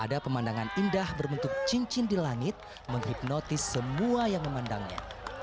ada pemandangan indah berbentuk cincin di langit menghipnotis semua yang memandangnya